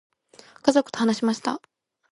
家族と話しました。